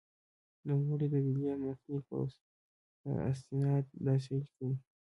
نوموړی د ویلیام مکنیل په استناد داسې لیکي.